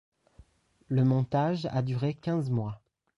Le montage a duré quinze mois.